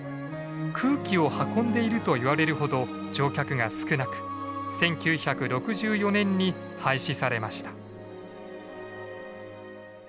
「空気を運んでいる」といわれるほど乗客が少なく１９６４年に廃止されました。